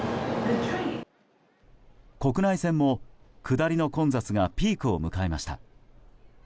国内線も下りの混雑がピークを迎えました。